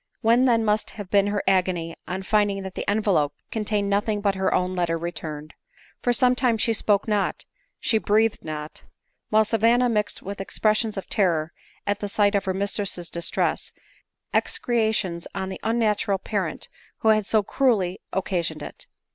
What then must have been her agony on finding that the mvdope contained nothing but her own letter returned ! lor some time she spoke not, she breathed not ; while Sa vanna mixed with expressions of terror, at sight of her mistress's distress, execrations on the unnatural parent who had so cruelly occasioned it.